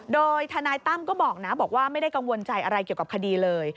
โดยทนายตั้มก็บอกนะบอกว่าไม่ได้กังวลใจอะไรเกี่ยวกับคดีเลย